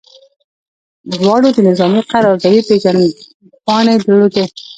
دواړو د نظامي قراردادي پیژندپاڼې درلودې